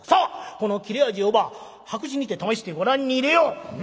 この切れ味をば白紙にて試してご覧に入れよう。